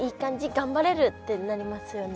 がんばれる！」ってなりますよね。